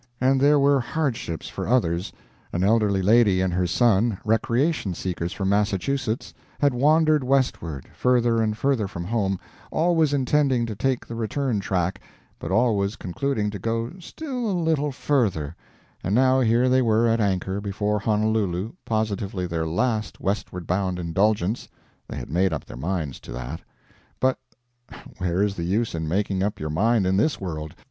And there were hardships for others. An elderly lady and her son, recreation seekers from Massachusetts, had wandered westward, further and further from home, always intending to take the return track, but always concluding to go still a little further; and now here they were at anchor before Honolulu positively their last westward bound indulgence they had made up their minds to that but where is the use in making up your mind in this world?